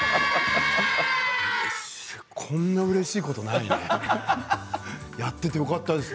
こんなうれしいことないね。